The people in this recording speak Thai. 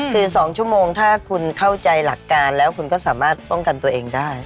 คือ๒ชั่วโมงถ้าคุณเข้าใจหลักการแล้วคุณก็สามารถป้องกันตัวเองได้